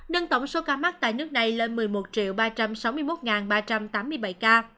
nâng tổng số ca mắc tại nước này lên một mươi một ba trăm sáu mươi một ba trăm tám mươi bảy ca